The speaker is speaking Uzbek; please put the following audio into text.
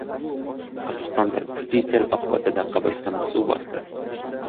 Qirg‘izistonda kuchli sel oqibatida qabristonni suv bosdi